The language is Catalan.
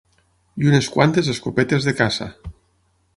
I unes quantes escopetes de caça